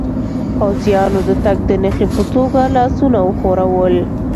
پوځیانو د تګ د نښې په توګه لاسونه و ښورول.